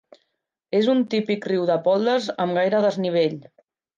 És un típic riu de pòlders amb gaire desnivell.